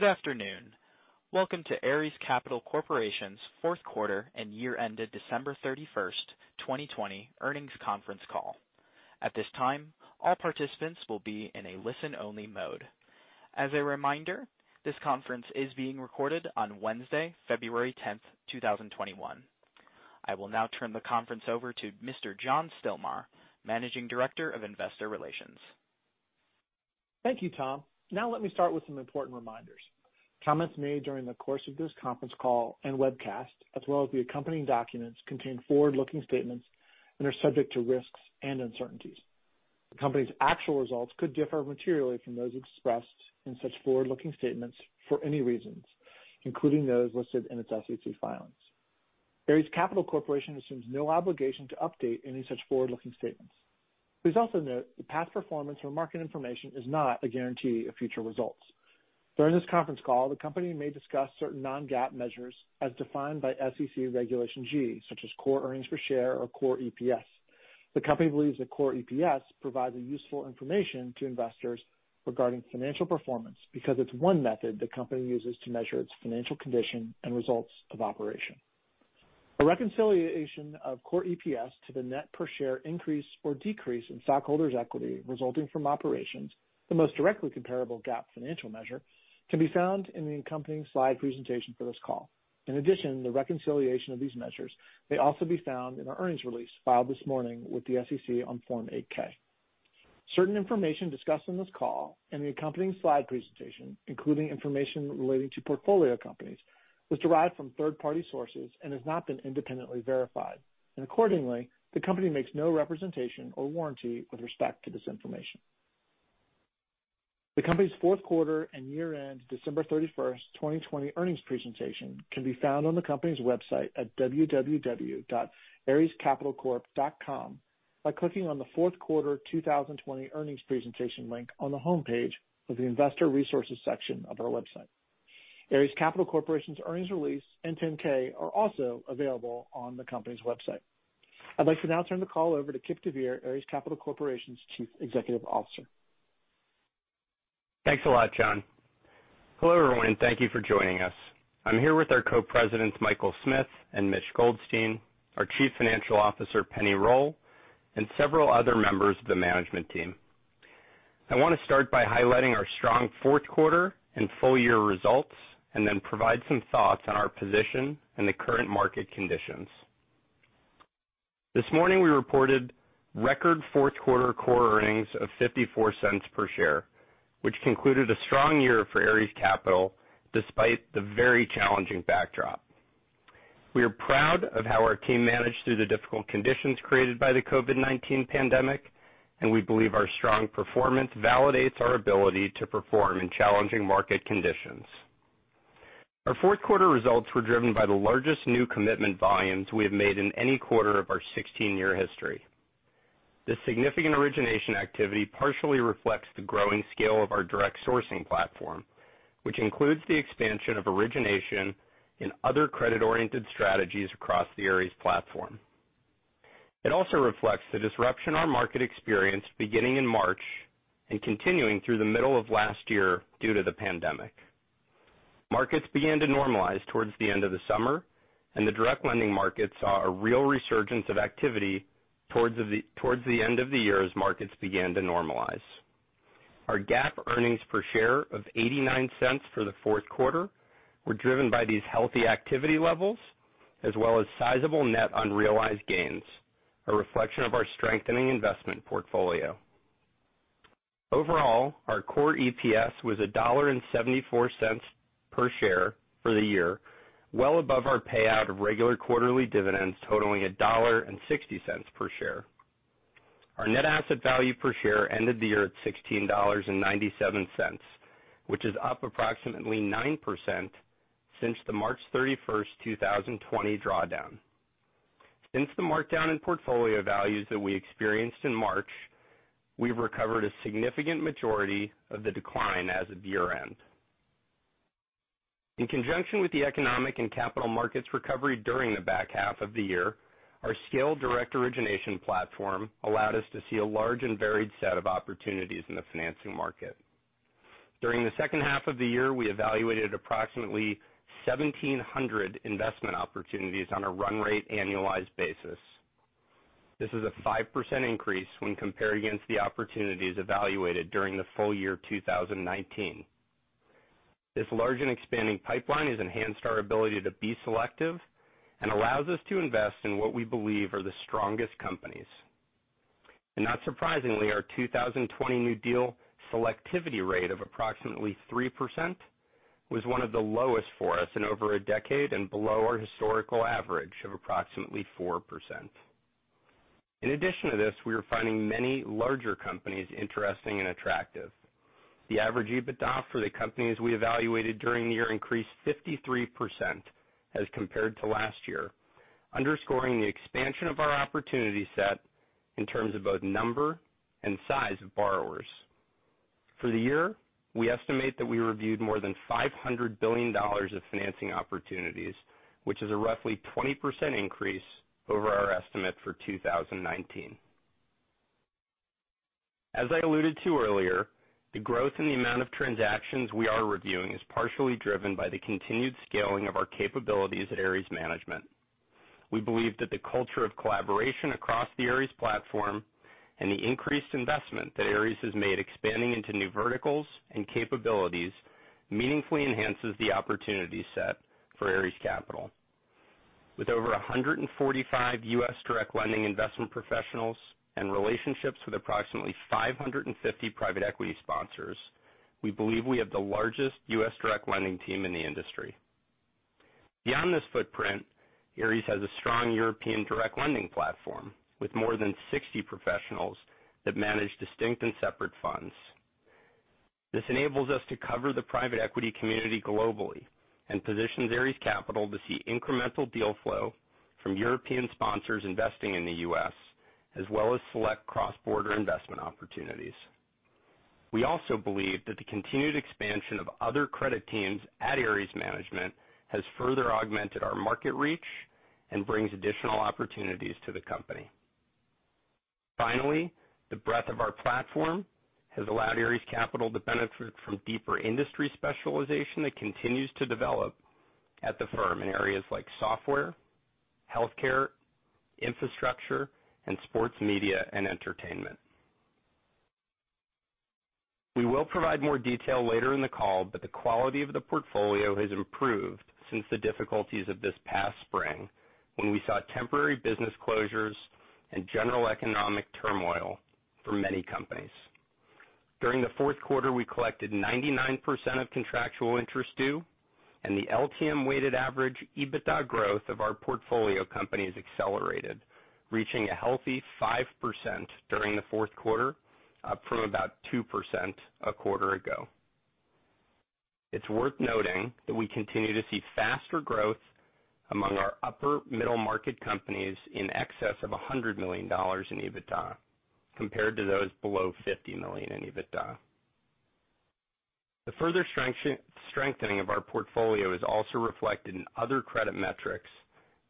Good afternoon. Welcome to Ares Capital Corporation's fourth quarter and year-ended December 31st, 2020 earnings conference call. At this time, all participants will be in a listen-only mode. As a reminder, this conference is being recorded on Wednesday, February 10th, 2021. I will now turn the conference over to Mr. John Stilmar, Managing Director of Investor Relations. Thank you, Tom. Let me start with some important reminders. Comments made during the course of this conference call and webcast, as well as the accompanying documents, contain forward-looking statements and are subject to risks and uncertainties. The company's actual results could differ materially from those expressed in such forward-looking statements for any reasons, including those listed in its SEC filings. Ares Capital Corporation assumes no obligation to update any such forward-looking statements. Please also note that past performance or market information is not a guarantee of future results. During this conference call, the company may discuss certain non-GAAP measures as defined by SEC Regulation G, such as core earnings per share or core EPS. The company believes that core EPS provides useful information to investors regarding financial performance because it's one method the company uses to measure its financial condition and results of operation. A reconciliation of core EPS to the net per share increase or decrease in stockholders' equity resulting from operations, the most directly comparable GAAP financial measure, can be found in the accompanying slide presentation for this call. In addition, the reconciliation of these measures may also be found in our earnings release filed this morning with the SEC on Form 8-K. Certain information discussed on this call and the accompanying slide presentation, including information relating to portfolio companies, was derived from third-party sources and has not been independently verified. Accordingly, the company makes no representation or warranty with respect to this information. The company's fourth quarter and year-end December 31st, 2020 earnings presentation can be found on the company's website at www.arescapitalcorp.com by clicking on the fourth quarter 2020 earnings presentation link on the homepage of the investor resources section of our website. Ares Capital Corporation's earnings release and 10-K are also available on the company's website. I'd like to now turn the call over to Kipp deVeer, Ares Capital Corporation's Chief Executive Officer. Thanks a lot, John. Hello, everyone, and thank you for joining us. I'm here with our Co-Presidents, Michael Smith and Mitch Goldstein, our Chief Financial Officer, Penni Roll, and several other members of the management team. I want to start by highlighting our strong fourth quarter and full-year results, and then provide some thoughts on our position in the current market conditions. This morning, we reported record fourth quarter core earnings of $0.54 per share, which concluded a strong year for Ares Capital, despite the very challenging backdrop. We are proud of how our team managed through the difficult conditions created by the COVID-19 pandemic, and we believe our strong performance validates our ability to perform in challenging market conditions. Our fourth quarter results were driven by the largest new commitment volumes we have made in any quarter of our 16-year history. This significant origination activity partially reflects the growing scale of our direct sourcing platform, which includes the expansion of origination in other credit-oriented strategies across the Ares platform. It also reflects the disruption our market experienced beginning in March and continuing through the middle of last year due to the pandemic. Markets began to normalize towards the end of the summer, and the direct lending market saw a real resurgence of activity towards the end of the year as markets began to normalize. Our GAAP earnings per share of $0.89 for the fourth quarter were driven by these healthy activity levels, as well as sizable net unrealized gains, a reflection of our strengthening investment portfolio. Overall, our core EPS was $1.74 per share for the year, well above our payout of regular quarterly dividends totaling $1.60 per share. Our net asset value per share ended the year at $16.97, which is up approximately 9% since the March 31st, 2020 drawdown. Since the markdown in portfolio values that we experienced in March, we've recovered a significant majority of the decline as of year-end. In conjunction with the economic and capital markets recovery during the back half of the year, our scaled direct origination platform allowed us to see a large and varied set of opportunities in the financing market. During the second half of the year, we evaluated approximately 1,700 investment opportunities on a run rate annualized basis. This is a 5% increase when compared against the opportunities evaluated during the full year 2019. This large and expanding pipeline has enhanced our ability to be selective and allows us to invest in what we believe are the strongest companies. Not surprisingly, our 2020 new deal selectivity rate of approximately 3% was one of the lowest for us in over a decade and below our historical average of approximately 4%. In addition to this, we are finding many larger companies interesting and attractive. The average EBITDA for the companies we evaluated during the year increased 53% as compared to last year, underscoring the expansion of our opportunity set in terms of both number and size of borrowers. For the year, we estimate that we reviewed more than $500 billion of financing opportunities, which is a roughly 20% increase over our estimate for 2019. I alluded to earlier, the growth in the amount of transactions we are reviewing is partially driven by the continued scaling of our capabilities at Ares Management. We believe that the culture of collaboration across the Ares platform and the increased investment that Ares has made expanding into new verticals and capabilities meaningfully enhances the opportunity set for Ares Capital. With over 145 U.S. direct lending investment professionals and relationships with approximately 550 private equity sponsors, we believe we have the largest U.S. direct lending team in the industry. Beyond this footprint, Ares has a strong European direct lending platform with more than 60 professionals that manage distinct and separate funds. This enables us to cover the private equity community globally and positions Ares Capital to see incremental deal flow from European sponsors investing in the U.S., as well as select cross-border investment opportunities. We also believe that the continued expansion of other credit teams at Ares Management has further augmented our market reach and brings additional opportunities to the company. Finally, the breadth of our platform has allowed Ares Capital to benefit from deeper industry specialization that continues to develop at the firm in areas like software, healthcare, infrastructure, and sports media and entertainment. We will provide more detail later in the call, but the quality of the portfolio has improved since the difficulties of this past spring when we saw temporary business closures and general economic turmoil for many companies. During the fourth quarter, we collected 99% of contractual interest due, and the LTM weighted average EBITDA growth of our portfolio companies accelerated, reaching a healthy 5% during the fourth quarter, up from about 2% a quarter ago. It's worth noting that we continue to see faster growth among our upper middle-market companies in excess of $100 million in EBITDA compared to those below $50 million in EBITDA. The further strengthening of our portfolio is also reflected in other credit metrics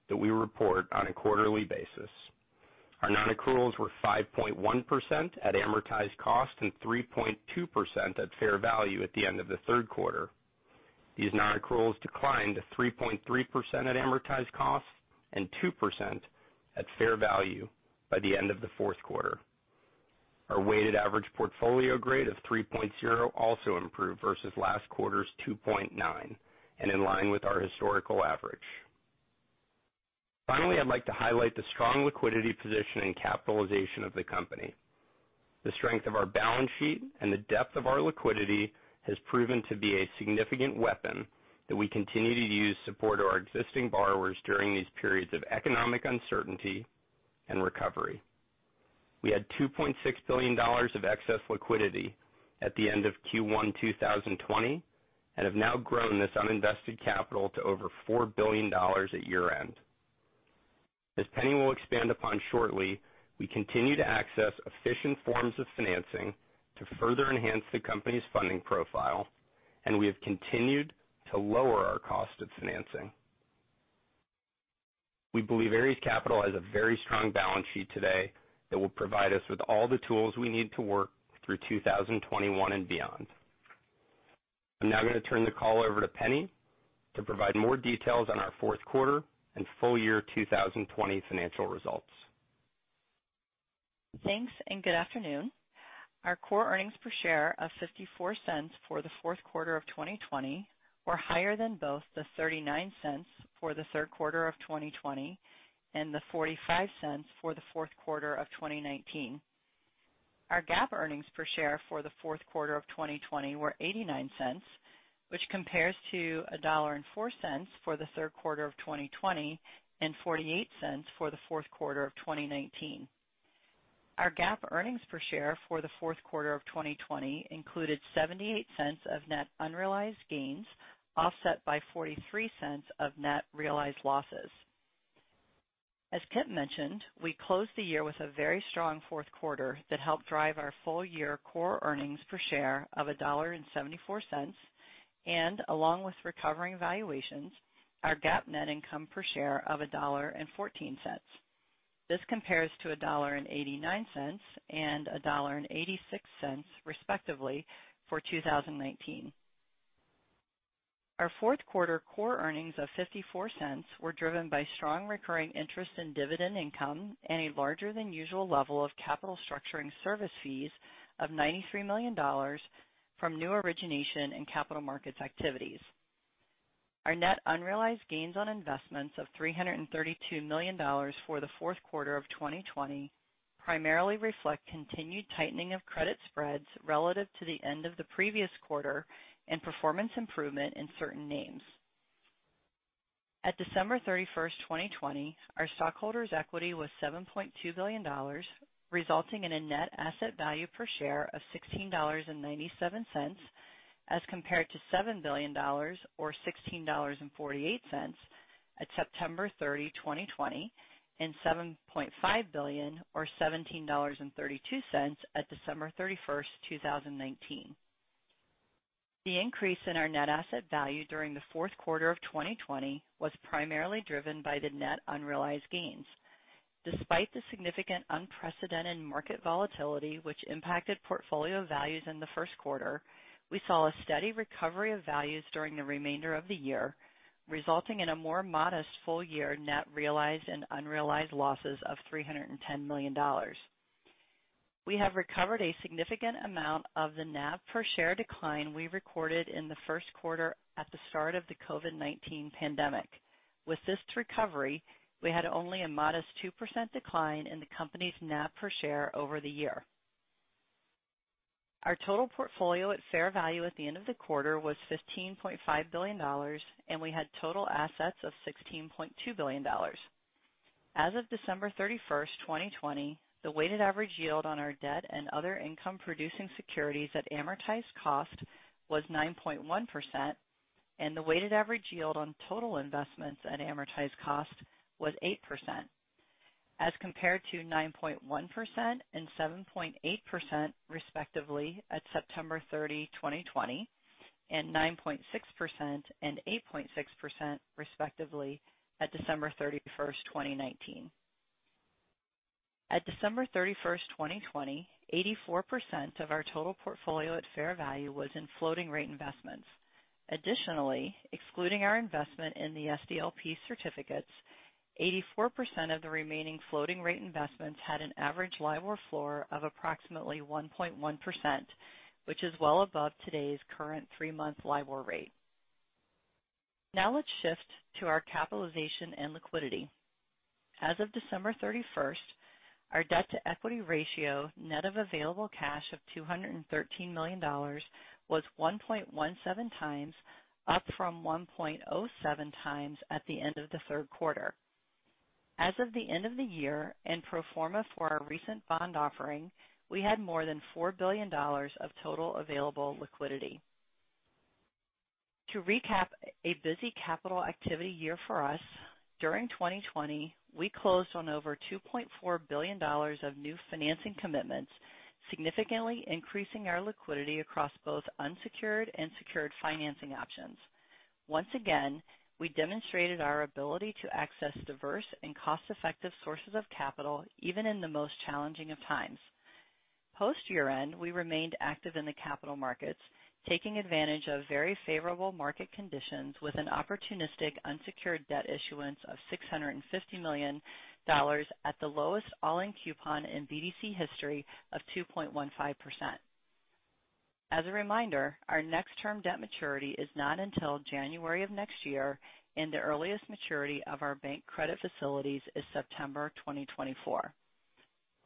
that we report on a quarterly basis. Our non-accruals were 5.1% at amortized cost and 3.2% at fair value at the end of the third quarter. These non-accruals declined to 3.3% at amortized cost and 2% at fair value by the end of the fourth quarter. Our weighted average portfolio grade of 3.0 also improved versus last quarter's 2.9 and in line with our historical average. Finally, I'd like to highlight the strong liquidity position and capitalization of the company. The strength of our balance sheet and the depth of our liquidity has proven to be a significant weapon that we continue to use to support our existing borrowers during these periods of economic uncertainty and recovery. We had $2.6 billion of excess liquidity at the end of Q1 2020 and have now grown this uninvested capital to over $4 billion at year-end. As Penni will expand upon shortly, we continue to access efficient forms of financing to further enhance the company's funding profile, and we have continued to lower our cost of financing. We believe Ares Capital has a very strong balance sheet today that will provide us with all the tools we need to work through 2021 and beyond. I'm now going to turn the call over to Penni to provide more details on our fourth quarter and full year 2020 financial results. Thanks, and good afternoon. Our core earnings per share of $0.54 for the fourth quarter of 2020 were higher than both the $0.39 for the third quarter of 2020 and the $0.45 for the fourth quarter of 2019. Our GAAP earnings per share for the fourth quarter of 2020 were $0.89, which compares to $1.04 for the third quarter of 2020 and $0.48 for the fourth quarter of 2019. Our GAAP earnings per share for the fourth quarter of 2020 included $0.78 of net unrealized gains, offset by $0.43 of net realized losses. As Kipp mentioned, we closed the year with a very strong fourth quarter that helped drive our full year core earnings per share of $1.74 and, along with recovering valuations, our GAAP net income per share of $1.14. This compares to $1.89 and $1.86 respectively for 2019. Our fourth quarter core earnings of $0.54 were driven by strong recurring interest in dividend income and a larger than usual level of capital structuring service fees of $93 million from new origination and capital markets activities. Our net unrealized gains on investments of $332 million for the fourth quarter of 2020 primarily reflect continued tightening of credit spreads relative to the end of the previous quarter and performance improvement in certain names. At December 31st, 2020, our stockholders' equity was $7.2 billion, resulting in a net asset value per share of $16.97 as compared to $7 billion, or $16.48 at September 30, 2020, and $7.5 billion or $17.32 at December 31st, 2019. The increase in our net asset value during the fourth quarter of 2020 was primarily driven by the net unrealized gains. Despite the significant unprecedented market volatility, which impacted portfolio values in the first quarter, we saw a steady recovery of values during the remainder of the year, resulting in a more modest full-year net realized and unrealized losses of $310 million. We have recovered a significant amount of the NAV per share decline we recorded in the first quarter at the start of the COVID-19 pandemic. With this recovery, we had only a modest 2% decline in the company's NAV per share over the year. Our total portfolio at fair value at the end of the quarter was $15.5 billion, and we had total assets of $16.2 billion. As of December 31st, 2020, the weighted average yield on our debt and other income-producing securities at amortized cost was 9.1%, and the weighted average yield on total investments at amortized cost was 8%, as compared to 9.1% and 7.8%, respectively, at September 30, 2020, and 9.6% and 8.6%, respectively, at December 31st, 2019. At December 31st, 2020, 84% of our total portfolio at fair value was in floating rate investments. Additionally, excluding our investment in the SDLP certificates, 84% of the remaining floating rate investments had an average LIBOR floor of approximately 1.1%, which is well above today's current three-month LIBOR rate. Let's shift to our capitalization and liquidity. As of December 31st, our debt-to-equity ratio, net of available cash of $213 million, was 1.17 times, up from 1.07 times at the end of the third quarter. As of the end of the year, and pro forma for our recent bond offering, we had more than $4 billion of total available liquidity. To recap a busy capital activity year for us, during 2020, we closed on over $2.4 billion of new financing commitments, significantly increasing our liquidity across both unsecured and secured financing options. Once again, we demonstrated our ability to access diverse and cost-effective sources of capital, even in the most challenging of times. Post year-end, we remained active in the capital markets, taking advantage of very favorable market conditions with an opportunistic unsecured debt issuance of $650 million at the lowest all-in coupon in BDC history of 2.15%. As a reminder, our next term debt maturity is not until January of next year, and the earliest maturity of our bank credit facilities is September 2024.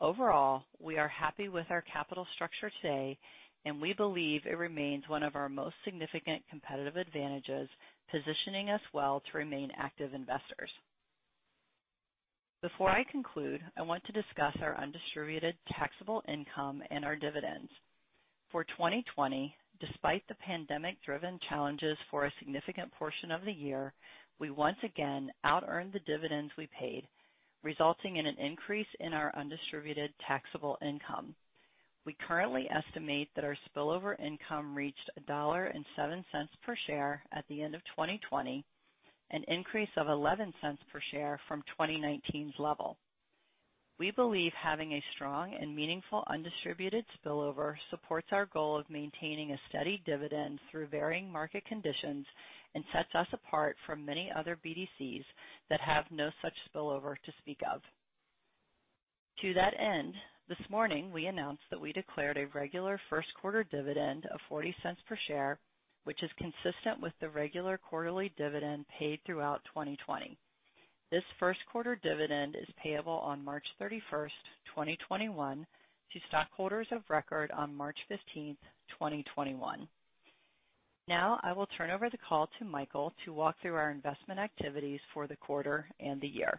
Overall, we are happy with our capital structure today, and we believe it remains one of our most significant competitive advantages, positioning us well to remain active investors. Before I conclude, I want to discuss our undistributed taxable income and our dividends. For 2020, despite the pandemic-driven challenges for a significant portion of the year, we once again outearned the dividends we paid, resulting in an increase in our undistributed taxable income. We currently estimate that our spillover income reached a $1.07 per share at the end of 2020, an increase of $0.11 per share from 2019's level. We believe having a strong and meaningful undistributed spillover supports our goal of maintaining a steady dividend through varying market conditions and sets us apart from many other BDCs that have no such spillover to speak of. To that end, this morning, we announced that we declared a regular first quarter dividend of $0.40 per share, which is consistent with the regular quarterly dividend paid throughout 2020. This first quarter dividend is payable on March 31st, 2021, to stockholders of record on March 15th, 2021. I will turn over the call to Michael to walk through our investment activities for the quarter and the year.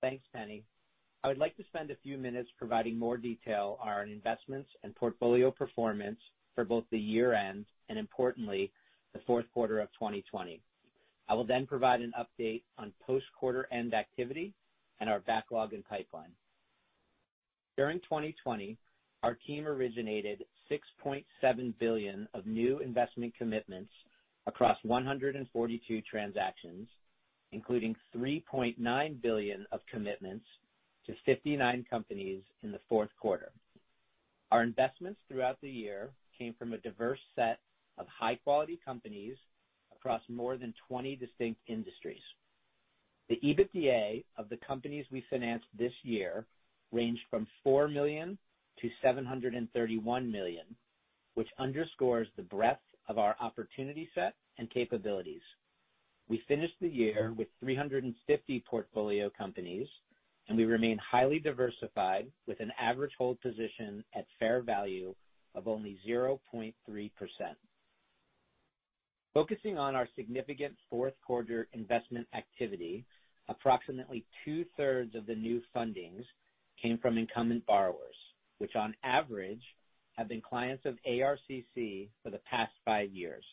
Thanks, Penni. I would like to spend a few minutes providing more detail on our investments and portfolio performance for both the year-end and importantly, the fourth quarter of 2020. I will then provide an update on post quarter-end activity and our backlog and pipeline. During 2020, our team originated $6.7 billion of new investment commitments across 142 transactions, including $3.9 billion of commitments to 59 companies in the fourth quarter. Our investments throughout the year came from a diverse set of high-quality companies across more than 20 distinct industries. The EBITDA of the companies we financed this year ranged from $4 million to $731 million, which underscores the breadth of our opportunity set and capabilities. We finished the year with 350 portfolio companies, and we remain highly diversified with an average hold position at fair value of only 0.3%. Focusing on our significant fourth quarter investment activity, approximately two-thirds of the new fundings came from incumbent borrowers, which on average have been clients of ARCC for the past five years.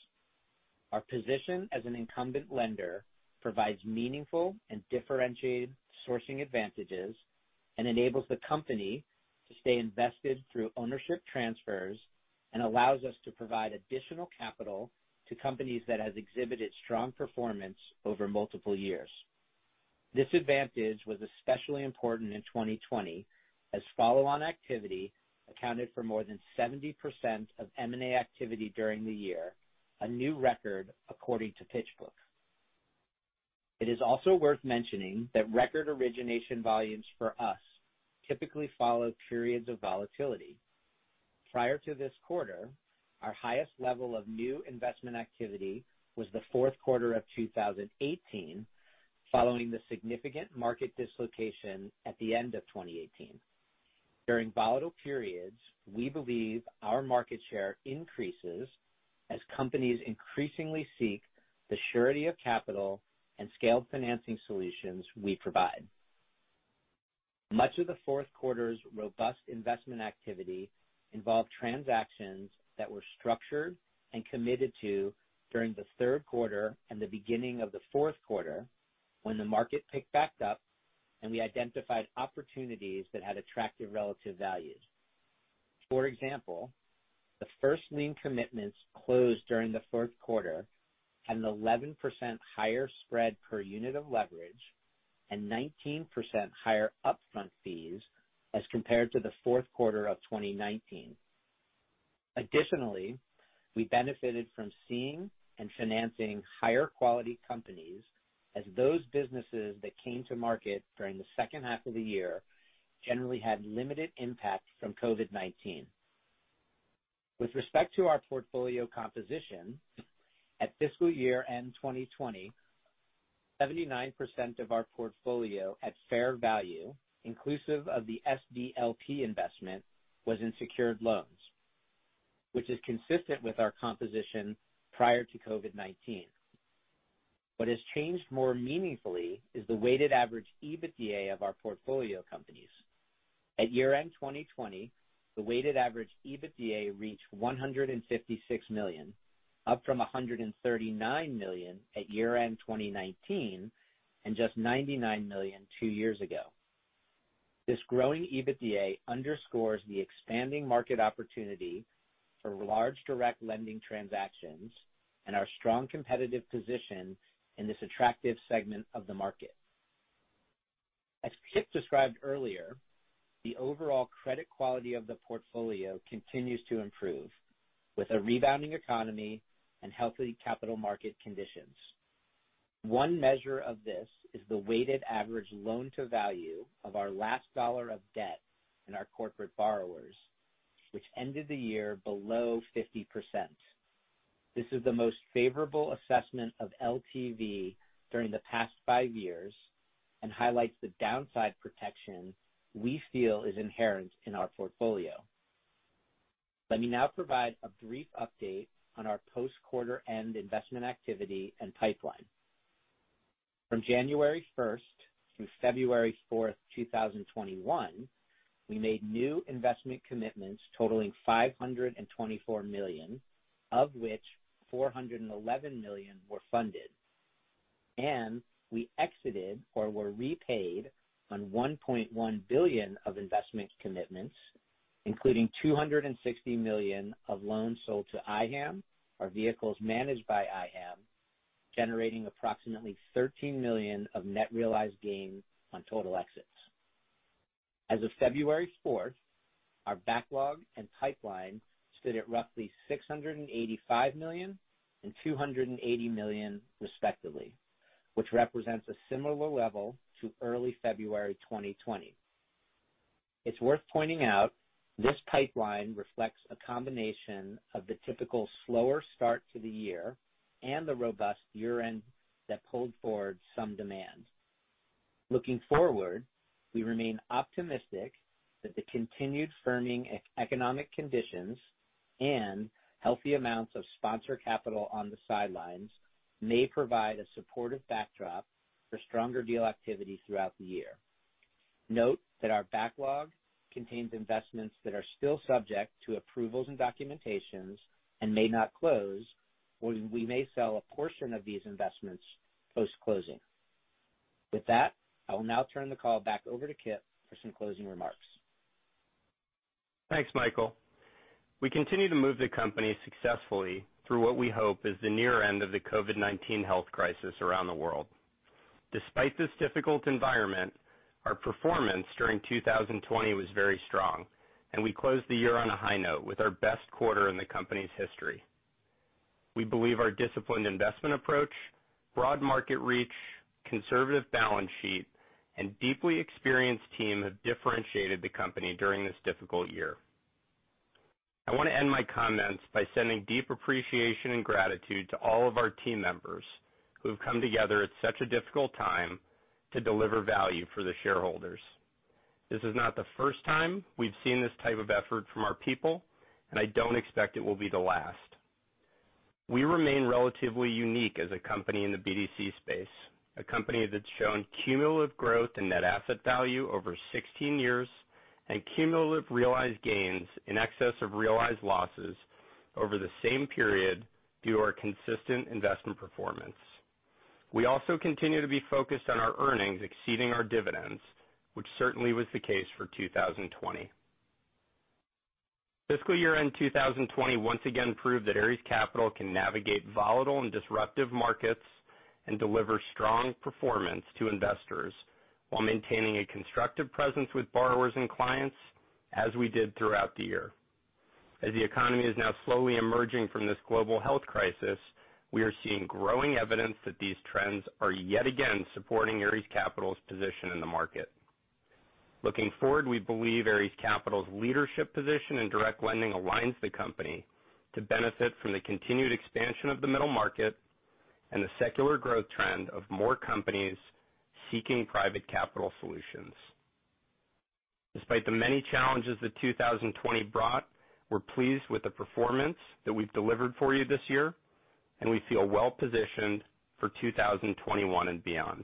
Our position as an incumbent lender provides meaningful and differentiated sourcing advantages and enables the company to stay invested through ownership transfers and allows us to provide additional capital to companies that have exhibited strong performance over multiple years. This advantage was especially important in 2020 as follow-on activity accounted for more than 70% of M&A activity during the year, a new record according to PitchBook. It is also worth mentioning that record origination volumes for us typically follow periods of volatility. Prior to this quarter, our highest level of new investment activity was the fourth quarter of 2018, following the significant market dislocation at the end of 2018. During volatile periods, we believe our market share increases as companies increasingly seek the surety of capital and scaled financing solutions we provide. Much of the fourth quarter's robust investment activity involved transactions that were structured and committed to during the third quarter and the beginning of the fourth quarter, when the market picked back up and we identified opportunities that had attractive relative value. For example, the first lien commitments closed during the fourth quarter had an 11% higher spread per unit of leverage and 19% higher upfront fees as compared to the fourth quarter of 2019. Additionally, we benefited from seeing and financing higher quality companies as those businesses that came to market during the second half of the year generally had limited impact from COVID-19. With respect to our portfolio composition, at fiscal year-end 2020, 79% of our portfolio at fair value, inclusive of the SDLP investment, was in secured loans. Which is consistent with our composition prior to COVID-19. What has changed more meaningfully is the weighted average EBITDA of our portfolio companies. At year-end 2020, the weighted average EBITDA reached $156 million, up from $139 million at year-end 2019, and just $99 million two years ago. This growing EBITDA underscores the expanding market opportunity for large direct lending transactions and our strong competitive position in this attractive segment of the market. As Kipp described earlier, the overall credit quality of the portfolio continues to improve with a rebounding economy and healthy capital market conditions. One measure of this is the weighted average loan-to-value of our last dollar of debt in our corporate borrowers, which ended the year below 50%. This is the most favorable assessment of LTV during the past five years and highlights the downside protection we feel is inherent in our portfolio. Let me now provide a brief update on our post-quarter-end investment activity and pipeline. From January 1st through February 4th, 2021, we made new investment commitments totaling $524 million, of which $411 million were funded. We exited or were repaid on $1.1 billion of investment commitments, including $260 million of loans sold to IHAM, or vehicles managed by IHAM, generating approximately $13 million of net realized gain on total exits. As of February 4th, our backlog and pipeline stood at roughly $685 million and $280 million respectively, which represents a similar level to early February 2020. It's worth pointing out this pipeline reflects a combination of the typical slower start to the year and the robust year-end that pulled forward some demand. Looking forward, we remain optimistic that the continued firming economic conditions and healthy amounts of sponsor capital on the sidelines may provide a supportive backdrop for stronger deal activity throughout the year. Note that our backlog contains investments that are still subject to approvals and documentations and may not close, or we may sell a portion of these investments post-closing. With that, I will now turn the call back over to Kipp for some closing remarks. Thanks, Michael. We continue to move the company successfully through what we hope is the near end of the COVID-19 health crisis around the world. Despite this difficult environment, our performance during 2020 was very strong, and we closed the year on a high note with our best quarter in the company's history. We believe our disciplined investment approach, broad market reach, conservative balance sheet, and deeply experienced team have differentiated the company during this difficult year. I want to end my comments by sending deep appreciation and gratitude to all of our team members who have come together at such a difficult time to deliver value for the shareholders. This is not the first time we've seen this type of effort from our people, and I don't expect it will be the last. We remain relatively unique as a company in the BDC space, a company that's shown cumulative growth in net asset value over 16 years. Cumulative realized gains in excess of realized losses over the same period through our consistent investment performance. We also continue to be focused on our earnings exceeding our dividends, which certainly was the case for 2020. Fiscal year-end 2020 once again proved that Ares Capital can navigate volatile and disruptive markets and deliver strong performance to investors while maintaining a constructive presence with borrowers and clients as we did throughout the year. As the economy is now slowly emerging from this global health crisis, we are seeing growing evidence that these trends are yet again supporting Ares Capital's position in the market. Looking forward, we believe Ares Capital's leadership position in direct lending aligns the company to benefit from the continued expansion of the middle market and the secular growth trend of more companies seeking private capital solutions. Despite the many challenges that 2020 brought, we're pleased with the performance that we've delivered for you this year, and we feel well-positioned for 2021 and beyond.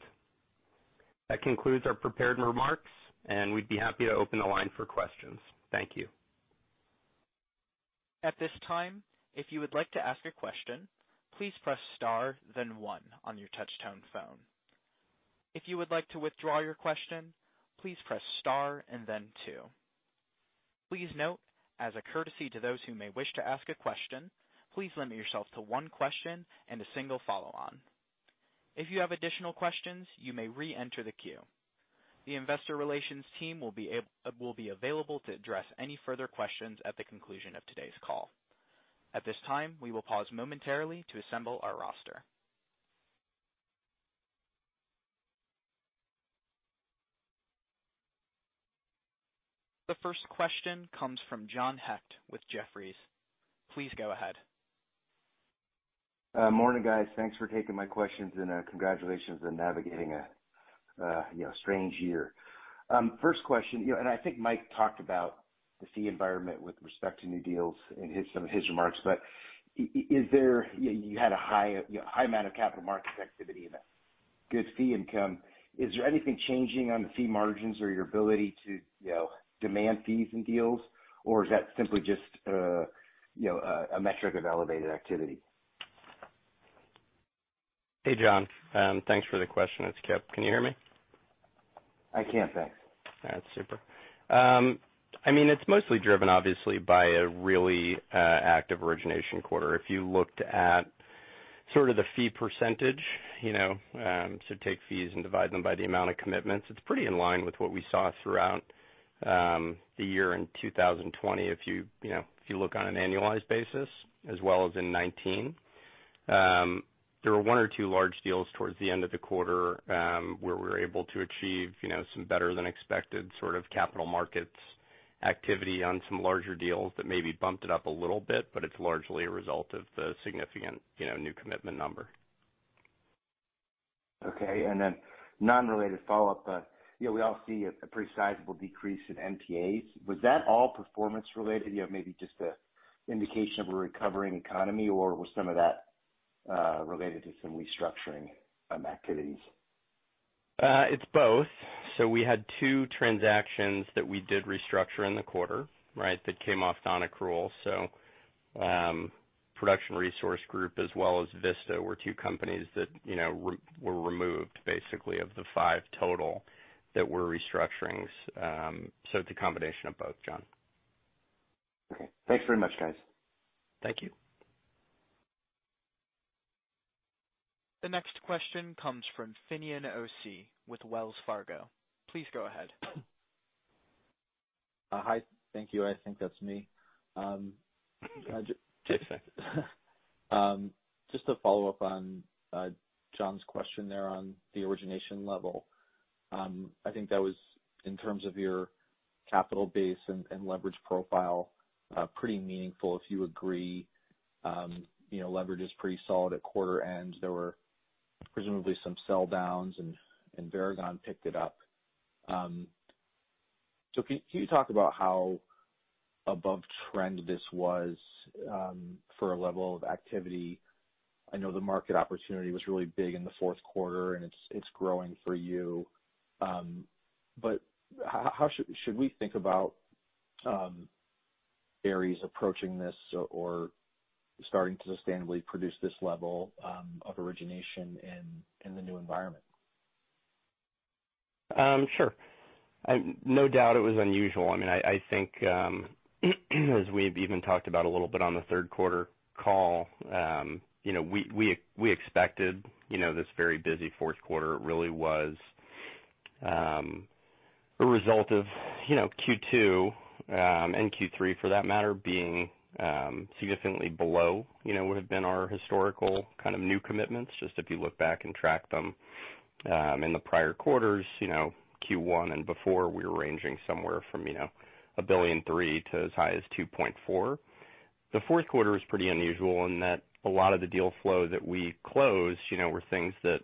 That concludes our prepared remarks. We'd be happy to open the line for questions. Thank you. At this time, if you would like to ask a question, please press star then one on your touch-tone phone. If you would like to withdraw your question, please press star and then two. Please note, as a courtesy to those who may wish to ask a question, please limit yourself to one question and a single follow-on. If you have additional questions, you may re-enter the queue. The investor relations team will be available to address any further questions at the conclusion of today's call. At this time, we will pause momentarily to assemble our roster. The first question comes from John Hecht with Jefferies. Please go ahead. Morning, guys. Thanks for taking my questions and congratulations on navigating a strange year. First question. I think Mike talked about the fee environment with respect to new deals in some of his remarks, but you had a high amount of capital markets activity and a good fee income. Is there anything changing on the fee margins or your ability to demand fees and deals? Is that simply just a metric of elevated activity? Hey, John. Thanks for the question. It's Kipp. Can you hear me? I can, thanks. That's super. It's mostly driven, obviously, by a really active origination quarter. If you looked at sort of the fee percentage, so take fees and divide them by the amount of commitments, it's pretty in line with what we saw throughout the year in 2020 if you look on an annualized basis as well as in 2019. There were one or two large deals towards the end of the quarter where we were able to achieve some better than expected sort of capital markets activity on some larger deals that maybe bumped it up a little bit, but it's largely a result of the significant new commitment number. Okay. Non-related follow-up. We all see a pretty sizable decrease in NPAs. Was that all performance related, maybe just an indication of a recovering economy? Was some of that related to some restructuring activities? It's both. We had two transactions that we did restructure in the quarter that came off on accrual. Production Resource Group as well as Vista were two companies that were removed basically of the five total that were restructurings. It's a combination of both, John. Okay. Thanks very much, guys. Thank you. The next question comes from Finian O'Shea with Wells Fargo. Please go ahead. Hi. Thank you. I think that's me. It is. Just to follow up on John's question there on the origination level. I think that was in terms of your capital base and leverage profile, pretty meaningful if you agree. Leverage is pretty solid at quarter end. There were presumably some sell downs, and Varagon picked it up. Can you talk about how above trend this was for a level of activity? I know the market opportunity was really big in the fourth quarter, and it's growing for you. Should we think about Ares approaching this or starting to sustainably produce this level of origination in the new environment? Sure. No doubt it was unusual. I think as we've even talked about a little bit on the third quarter call, we expected this very busy fourth quarter really was a result of Q2, and Q3 for that matter, being significantly below would have been our historical kind of new commitments, just if you look back and track them in the prior quarters. Q1 and before, we were ranging somewhere from $1.3 billion to as high as $2.4 billion. The fourth quarter was pretty unusual in that a lot of the deal flow that we closed were things that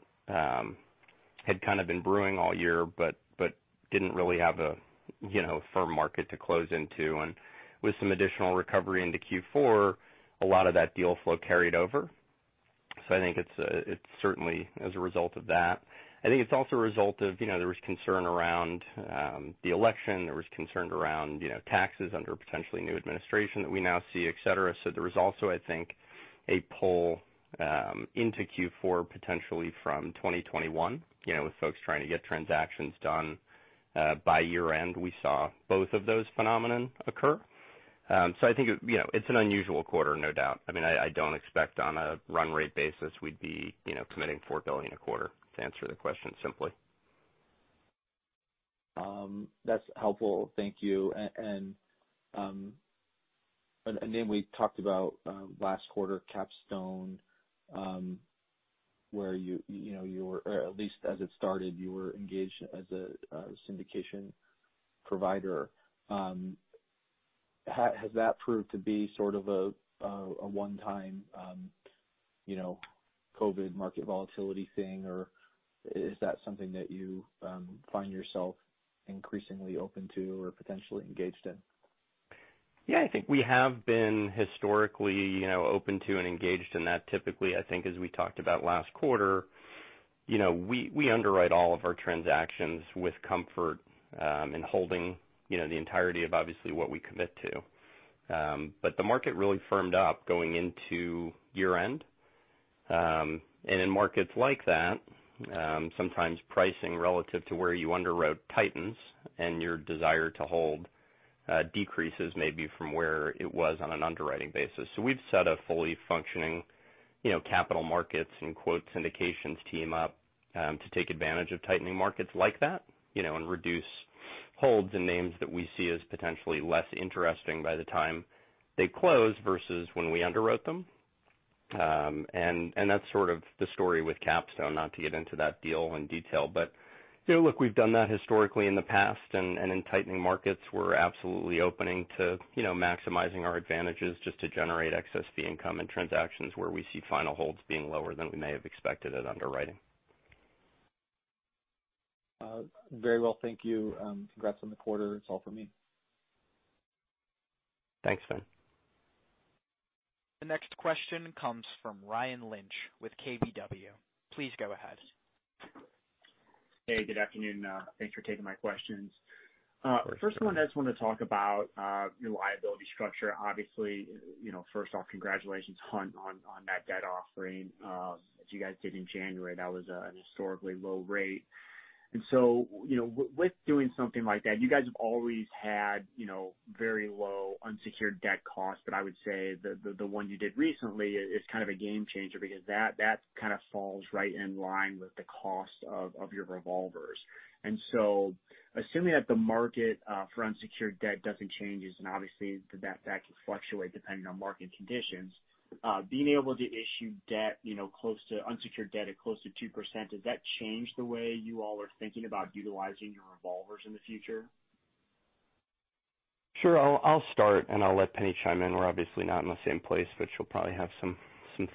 had kind of been brewing all year but didn't really have a firm market to close into. With some additional recovery into Q4, a lot of that deal flow carried over. I think it's certainly as a result of that. I think it's also a result of, there was concern around the election, there was concern around taxes under a potentially new administration that we now see, et cetera. There was also, I think, a pull into Q4 potentially from 2021, with folks trying to get transactions done by year-end. We saw both of those phenomenon occur. I think it's an unusual quarter, no doubt. I don't expect on a run rate basis we'd be committing $4 billion a quarter to answer the question simply. That's helpful. Thank you. We talked about last quarter, Capstone, where you were, or at least as it started, you were engaged as a syndication provider. Has that proved to be sort of a one-time COVID market volatility thing, or is that something that you find yourself increasingly open to or potentially engaged in? Yeah, I think we have been historically open to and engaged in that. Typically, I think as we talked about last quarter, we underwrite all of our transactions with comfort in holding the entirety of obviously what we commit to. The market really firmed up going into year-end. In markets like that, sometimes pricing relative to where you underwrote tightens and your desire to hold decreases maybe from where it was on an underwriting basis. We've set a fully functioning capital markets and quote syndications team up to take advantage of tightening markets like that, and reduce holds and names that we see as potentially less interesting by the time they close versus when we underwrote them. That's sort of the story with Capstone, not to get into that deal in detail. Look, we've done that historically in the past, and in tightening markets, we're absolutely opening to maximizing our advantages just to generate excess fee income in transactions where we see final holds being lower than we may have expected at underwriting. Very well. Thank you. Congrats on the quarter. That's all for me. Thanks, Fin. The next question comes from Ryan Lynch with KBW. Please go ahead. Hey, good afternoon. Thanks for taking my questions. Of course. First one, I just want to talk about your liability structure. Obviously, first off, congratulations on that debt offering that you guys did in January. That was an historically low rate. With doing something like that, you guys have always had very low unsecured debt costs. I would say the one you did recently is kind of a game changer because that kind of falls right in line with the cost of your revolvers. Assuming that the market for unsecured debt doesn't change, and obviously that can fluctuate depending on market conditions. Being able to issue unsecured debt at close to 2%, does that change the way you all are thinking about utilizing your revolvers in the future? Sure. I'll start I'll let Penni chime in. We're obviously not in the same place, she'll probably have some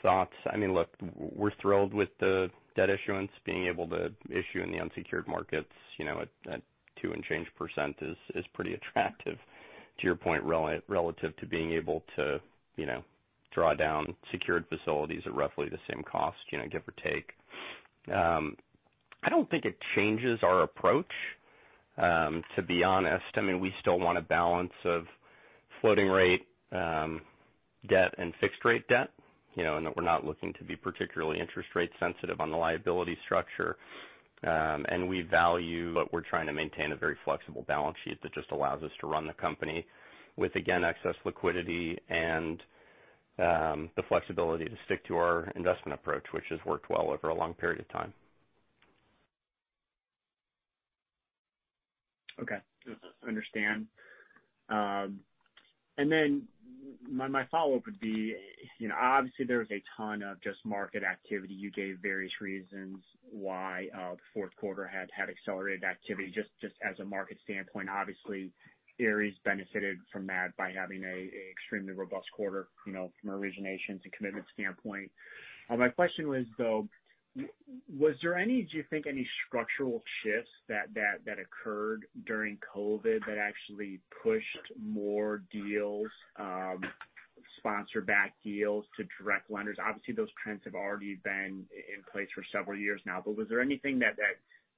thoughts. Look, we're thrilled with the debt issuance, being able to issue in the unsecured markets at two and change percent is pretty attractive, to your point, relative to being able to draw down secured facilities at roughly the same cost, give or take. I don't think it changes our approach, to be honest. We still want a balance of floating rate debt and fixed rate debt, in that we're not looking to be particularly interest rate sensitive on the liability structure. We're trying to maintain a very flexible balance sheet that just allows us to run the company with, again, excess liquidity and the flexibility to stick to our investment approach, which has worked well over a long period of time. Okay. Understand. My follow-up would be, obviously there was a ton of just market activity. You gave various reasons why the fourth quarter had accelerated activity, just as a market standpoint. Obviously, Ares benefited from that by having a extremely robust quarter from an origination to commitment standpoint. My question was, though, was there do you think, any structural shifts that occurred during COVID that actually pushed more deals, sponsor-backed deals to direct lenders? Obviously, those trends have already been in place for several years now. Was there anything that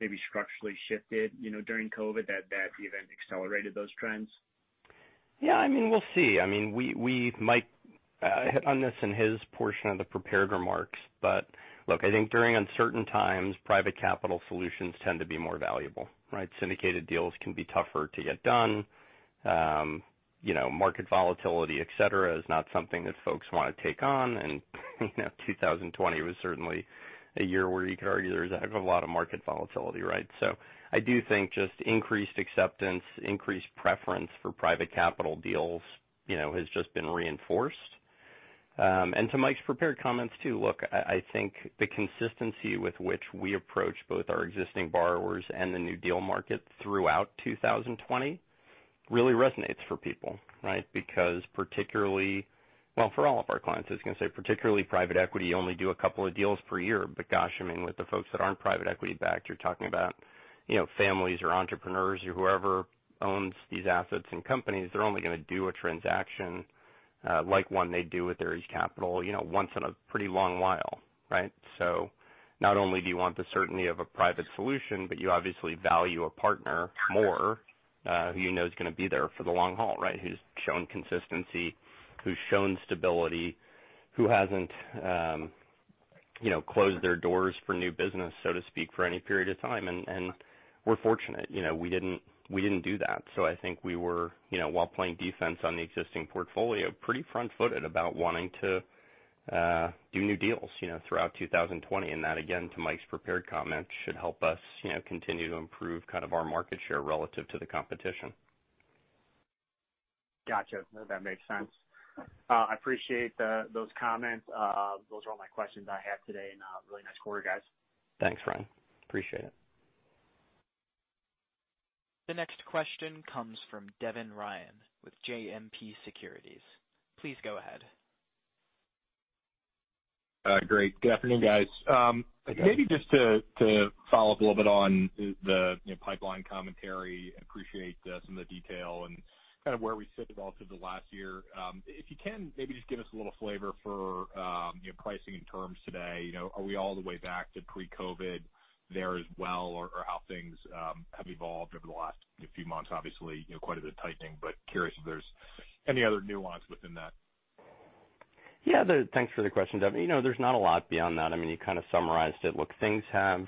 maybe structurally shifted during COVID that even accelerated those trends? Yeah, we'll see. Mike hit on this in his portion of the prepared remarks. Look, I think during uncertain times, private capital solutions tend to be more valuable, right? Syndicated deals can be tougher to get done. Market volatility, et cetera, is not something that folks want to take on, and 2020 was certainly a year where you could argue there was a heck of a lot of market volatility, right? I do think just increased acceptance, increased preference for private capital deals has just been reinforced. To Mike's prepared comments, too. Look, I think the consistency with which we approach both our existing borrowers and the new deal market throughout 2020 really resonates for people, right? Because for all of our clients, I was going to say, particularly private equity only do a couple of deals per year. Gosh, with the folks that aren't private equity backed, you're talking about families or entrepreneurs or whoever owns these assets and companies, they're only going to do a transaction. Like one they do with Ares Capital once in a pretty long while, right? Not only do you want the certainty of a private solution, but you obviously value a partner more who you know is going to be there for the long haul, right? Who's shown consistency, who's shown stability, who hasn't closed their doors for new business, so to speak, for any period of time. We're fortunate. We didn't do that. I think we were, while playing defense on the existing portfolio, pretty front-footed about wanting to do new deals throughout 2020. That, again, to Michael's prepared comments, should help us continue to improve our market share relative to the competition. Got you. That makes sense. I appreciate those comments. Those are all my questions I had today. Really nice quarter, guys. Thanks, Ryan. Appreciate it. The next question comes from Devin Ryan with JMP Securities. Please go ahead. Great. Good afternoon, guys. Hey. Maybe just to follow up a little bit on the pipeline commentary. Appreciate some of the detail and where we sit relative to last year. If you can, maybe just give us a little flavor for your pricing and terms today. Are we all the way back to pre-COVID there as well? How things have evolved over the last few months? Obviously, quite a bit of tightening, but curious if there's any other nuance within that. Thanks for the question, Devin. There's not a lot beyond that. You kind of summarized it. Look, things have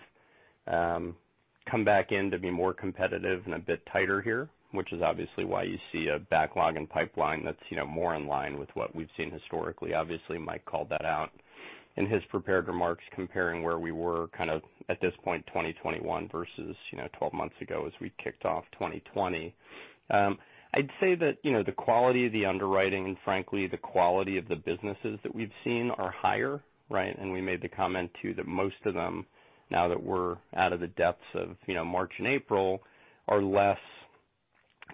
come back in to be more competitive and a bit tighter here, which is obviously why you see a backlog in pipeline that's more in line with what we've seen historically. Obviously, Mike called that out in his prepared remarks, comparing where we were at this point 2021 versus 12 months ago as we kicked off 2020. I'd say that the quality of the underwriting and frankly, the quality of the businesses that we've seen are higher, right? We made the comment, too, that most of them, now that we're out of the depths of March and April, are less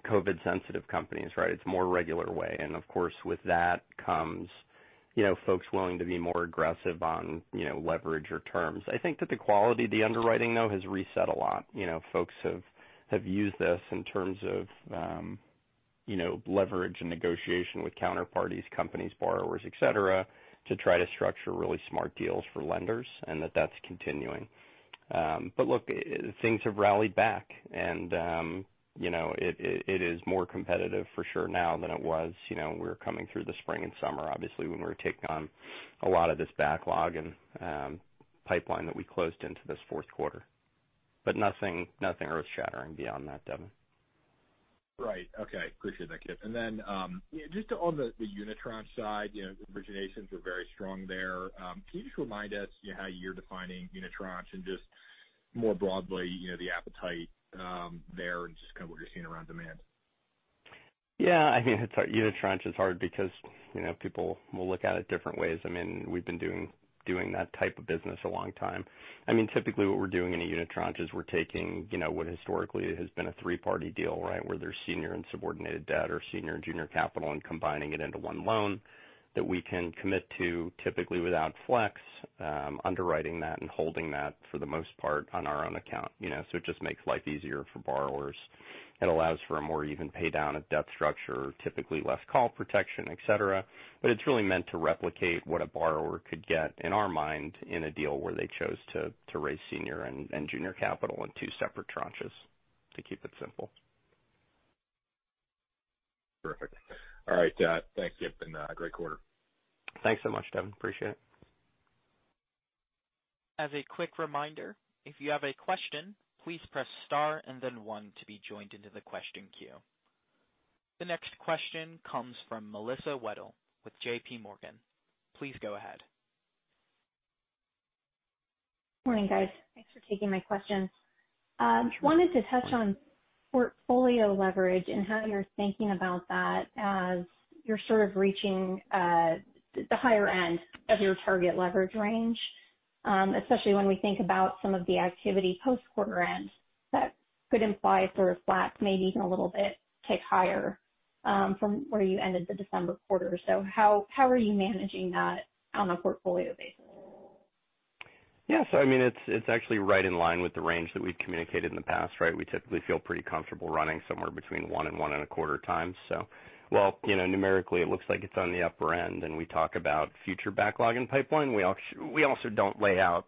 COVID sensitive companies, right? It's more regular way. Of course, with that comes folks willing to be more aggressive on leverage or terms. I think that the quality of the underwriting, though, has reset a lot. Folks have used this in terms of leverage and negotiation with counterparties, companies, borrowers, et cetera, to try to structure really smart deals for lenders, and that that's continuing. Look, things have rallied back and it is more competitive for sure now than it was when we were coming through the spring and summer, obviously, when we were taking on a lot of this backlog and pipeline that we closed into this fourth quarter. Nothing earth-shattering beyond that, Devin. Right. Okay. Appreciate that, Kipp. Then just on the unitranche side, originations were very strong there. Can you just remind us how you're defining unitranche and just more broadly the appetite there and just what you're seeing around demand? I mean, unitranche is hard because people will look at it different ways. We've been doing that type of business a long time. Typically what we're doing in a unitranche is we're taking what historically has been a three-party deal, right, where there's senior and subordinated debt or senior and junior capital, and combining it into one loan that we can commit to, typically without flex, underwriting that and holding that for the most part on our own account. It just makes life easier for borrowers. It allows for a more even pay down of debt structure, typically less call protection, et cetera. It's really meant to replicate what a borrower could get, in our mind, in a deal where they chose to raise senior and junior capital in two separate tranches, to keep it simple. Perfect. All right. Thanks, Kipp, and great quarter. Thanks so much, Devin. Appreciate it. As a quick reminder, if you have a question, please press star and then one to be joined into the question queue. The next question comes from Melissa Wedel with JPMorgan. Please go ahead. Morning, guys. Thanks for taking my questions. Sure. Wanted to touch on portfolio leverage and how you're thinking about that as you're reaching the higher end of your target leverage range. Especially when we think about some of the activity post quarter end that could imply sort of flat, maybe even a little bit tick higher from where you ended the December quarter. How are you managing that on a portfolio basis? Yeah. It's actually right in line with the range that we've communicated in the past, right? We typically feel pretty comfortable running somewhere between one and one and a quarter times. While numerically it looks like it's on the upper end and we talk about future backlog and pipeline, we also don't lay out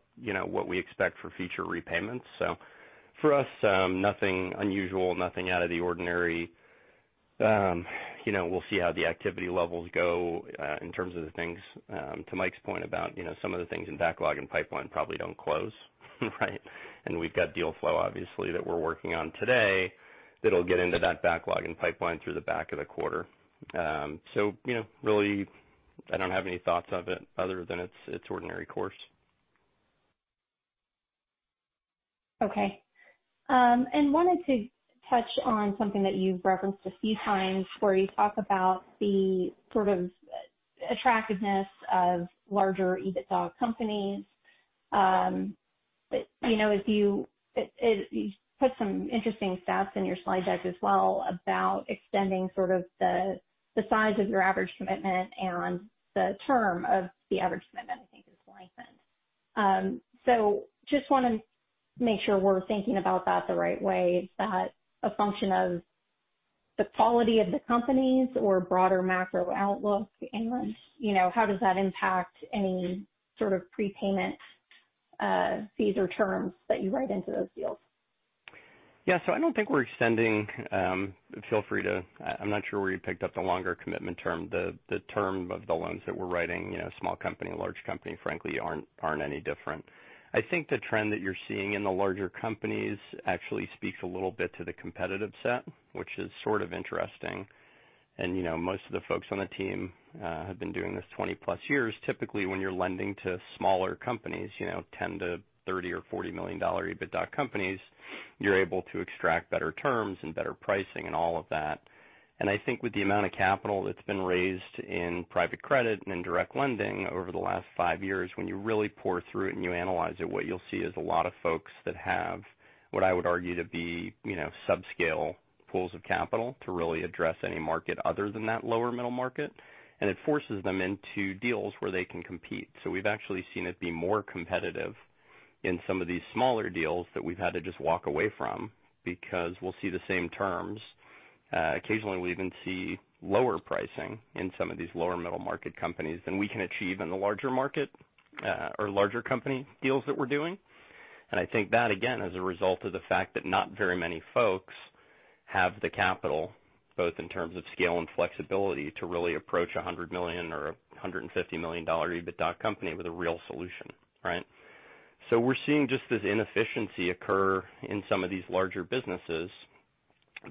what we expect for future repayments. For us, nothing unusual, nothing out of the ordinary. We'll see how the activity levels go in terms of the things, to Mike's point about some of the things in backlog and pipeline probably don't close, right? We've got deal flow, obviously, that we're working on today that'll get into that backlog and pipeline through the back of the quarter. Really, I don't have any thoughts of it other than its ordinary course. Okay. Wanted to touch on something that you've referenced a few times where you talk about the attractiveness of larger EBITDA companies. You put some interesting stats in your slide deck as well about extending the size of your average commitment and the term of the average commitment. Just want to make sure we're thinking about that the right way. Is that a function of the quality of the companies or broader macro outlook? How does that impact any sort of prepayment fees or terms that you write into those deals? I don't think we're extending. Feel free to I'm not sure where you picked up the longer commitment term. The term of the loans that we're writing, small company, large company, frankly, aren't any different. I think the trend that you're seeing in the larger companies actually speaks a little bit to the competitive set, which is sort of interesting. Most of the folks on the team have been doing this 20+ years. Typically, when you're lending to smaller companies, $10-$30 or $40 million EBITDA companies, you're able to extract better terms and better pricing and all of that. I think with the amount of capital that's been raised in private credit and in direct lending over the last five years, when you really pore through it and you analyze it, what you'll see is a lot of folks that have what I would argue to be sub-scale pools of capital to really address any market other than that lower middle market. It forces them into deals where they can compete. We've actually seen it be more competitive in some of these smaller deals that we've had to just walk away from because we'll see the same terms. Occasionally, we even see lower pricing in some of these lower middle market companies than we can achieve in the larger market or larger company deals that we're doing. I think that, again, is a result of the fact that not very many folks have the capital, both in terms of scale and flexibility, to really approach $100 million or $150 million EBITDA company with a real solution, right? We're seeing just this inefficiency occur in some of these larger businesses.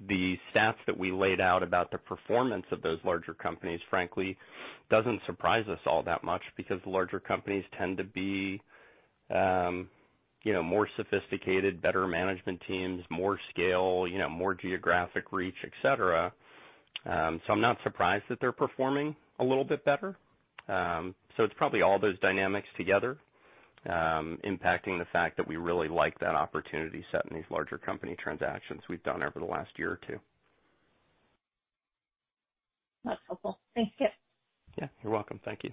The stats that we laid out about the performance of those larger companies, frankly, doesn't surprise us all that much because larger companies tend to be more sophisticated, better management teams, more scale, more geographic reach, et cetera. I'm not surprised that they're performing a little bit better. It's probably all those dynamics together impacting the fact that we really like that opportunity set in these larger company transactions we've done over the last year or two. That's helpful. Thank you. Yeah, you're welcome. Thank you.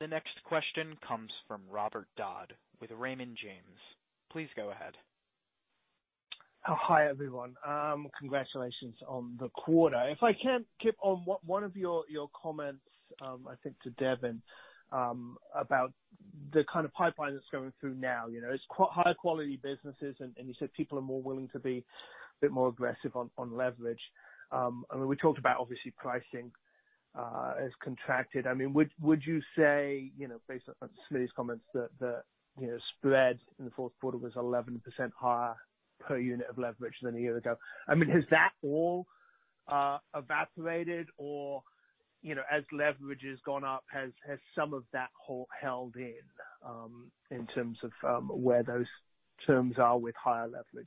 The next question comes from Robert Dodd with Raymond James. Please go ahead. Hi, everyone. Congratulations on the quarter. If I can, Kipp, on one of your comments, I think to Devin, about the kind of pipeline that's going through now. It's high-quality businesses, and you said people are more willing to be a bit more aggressive on leverage. I mean, we talked about obviously pricing has contracted. Would you say, based on some of these comments that spread in the fourth quarter was 11% higher per unit of leverage than a year ago? I mean, has that all evaporated? Or, as leverage has gone up, has some of that held in terms of where those terms are with higher leverage?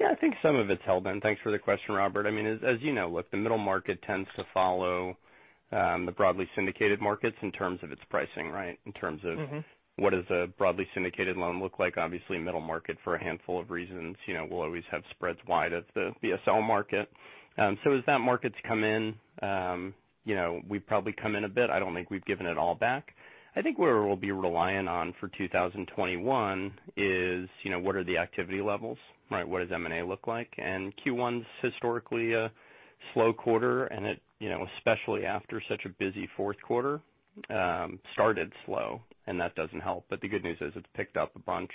Yeah, I think some of it's held in. Thanks for the question, Robert. I mean, as you know, look, the middle-market tends to follow the broadly syndicated markets in terms of its pricing, right? What does a broadly syndicated loan look like? Obviously, middle market for a handful of reasons, will always have spreads wide as the BSL market. As that market's come in, we've probably come in a bit. I don't think we've given it all back. I think where we'll be reliant on for 2021 is, what are the activity levels, right? What does M&A look like? Q1 is historically a slow quarter, and especially after such a busy fourth quarter, started slow, and that doesn't help. The good news is it's picked up a bunch.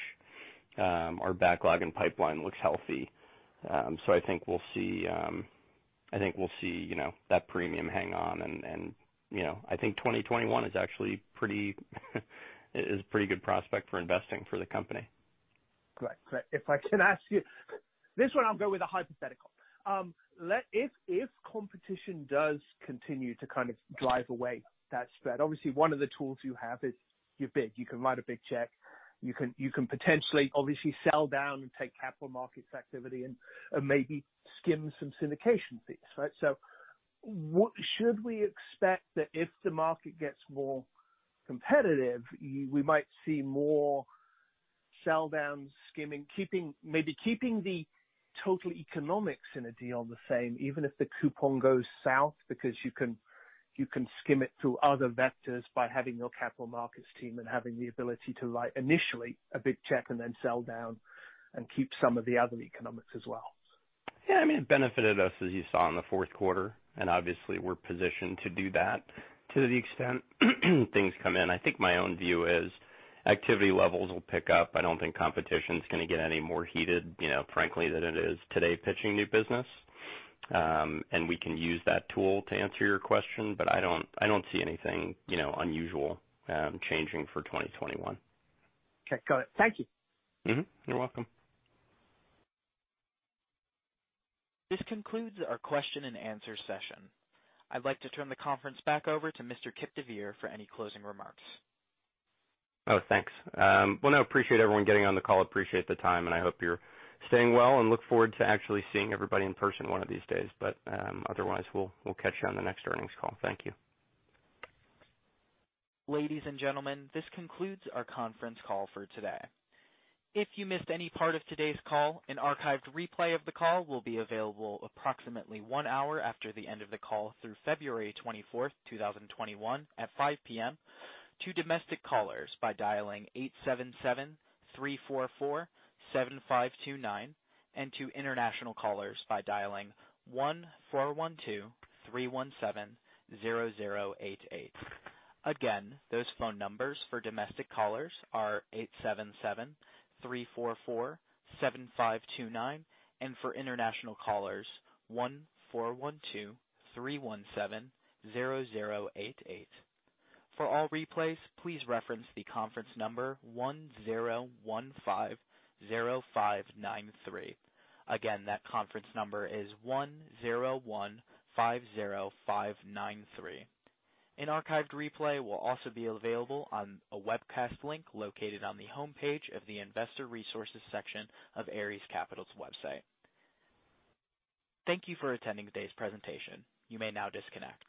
Our backlog and pipeline looks healthy. I think we'll see that premium hang on, and I think 2021 is actually pretty good prospect for investing for the company. Great. If I can ask you. This one, I'll go with a hypothetical. If competition does continue to kind of drive away that spread, obviously one of the tools you have is your bid. You can write a big check. You can potentially, obviously, sell down and take capital markets activity and maybe skim some syndication fees, right? Should we expect that if the market gets more competitive, we might see more sell downs, skimming, maybe keeping the total economics in a deal the same, even if the coupon goes south because you can skim it through other vectors by having your capital markets team and having the ability to write, initially, a big check and then sell down and keep some of the other economics as well? Yeah, I mean, it benefited us, as you saw in the fourth quarter, and obviously we're positioned to do that to the extent things come in. I think my own view is activity levels will pick up. I don't think competition's going to get any more heated frankly than it is today pitching new business. We can use that tool to answer your question, but I don't see anything unusual changing for 2021. Okay, got it. Thank you. Mm-hmm. You're welcome. This concludes our question and answer session. I'd like to turn the conference back over to Mr. Kipp deVeer for any closing remarks. Oh, thanks. Well, no, appreciate everyone getting on the call, appreciate the time, and I hope you're staying well, and look forward to actually seeing everybody in person one of these days. Otherwise we'll catch you on the next earnings call. Thank you. Ladies and gentlemen, this concludes our conference call for today. If you missed any part of today's call, an archived replay of the call will be available approximately one hour after the end of the call through February 24, 2021, at 5:00 P.M. To domestic callers, by dialing 877-344-7529, and to international callers by dialing 1-412-317-0088. Again, those phone numbers for domestic callers are 877-344-7529, and for international callers, 1-412-317-0088. For all replays, please reference the conference number 10150593. Again, that conference number is 10150593. An archived replay will also be available on a webcast link located on the homepage of the Investor Resources section of Ares Capital's website. Thank you for attending today's presentation. You may now disconnect.